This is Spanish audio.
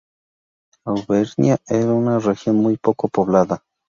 Auvernia es una región muy poco poblada.